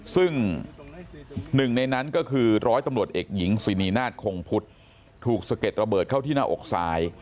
ซึ่งหนึ่งในนั้นก็คือร้อยตำรวจเอกหญิงสินีนาฏคงพุทธถูกสะเก็ดระเบิดเข้าที่หน้าอกซ้าย